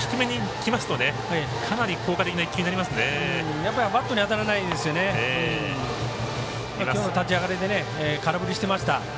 きょうの立ち上がりで空振りしてました